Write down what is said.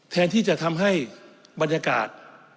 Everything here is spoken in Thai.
แทนที่จะทำให้บรรยากาศ